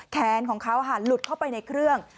แขนของเขาหลุดเข้าไปในเครื่อง